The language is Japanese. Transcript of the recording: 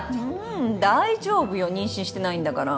ん大丈夫よ妊娠してないんだから。